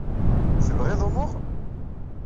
Tebɣiḍ umuɣ?